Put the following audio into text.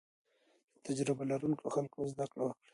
له تجربه لرونکو خلکو زده کړه وکړئ.